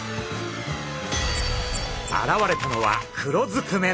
現れたのは黒ずくめの男たち。